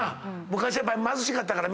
昔は貧しかったから。